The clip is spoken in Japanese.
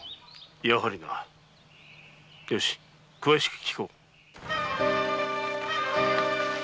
やはりなよし詳しく聞こう。